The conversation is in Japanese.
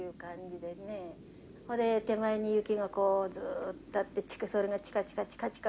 そんで手前に雪がこうずっとあってそれがチカチカチカチカ